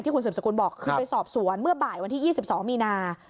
คุณสืบสกุลบอกคือไปสอบสวนเมื่อบ่ายวันที่๒๒มีนา